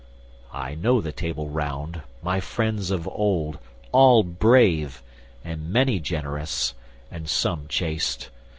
I know the Table Round, my friends of old; All brave, and many generous, and some chaste.